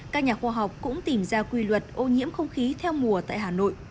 các nhà khoa học cũng tìm ra quy luật ô nhiễm không khí theo mùa tại hà nội